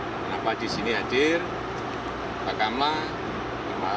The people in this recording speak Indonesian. kenapa disini hadir bakamlah